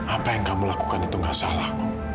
apa yang kamu lakukan itu gak salah